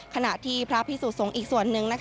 ขณะที่พระพิสุสงฆ์อีกส่วนหนึ่ง